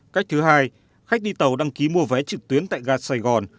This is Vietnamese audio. cách thứ hai khách đi tàu đăng ký mua vé trực tuyến tại ga sài gòn